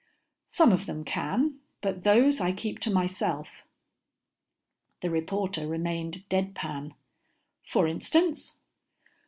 "Some of them can, but those I keep to myself." The reporter remained dead pan. "For instance?"